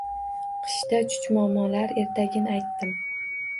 Qishda chuchmomalar ertagin aytdim